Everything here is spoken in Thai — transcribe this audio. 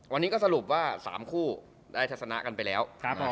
วันนี้ก็สรุปว่า๓คู่ได้ทัศนะกันไปแล้ว